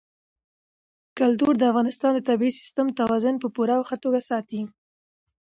کلتور د افغانستان د طبعي سیسټم توازن په پوره او ښه توګه ساتي.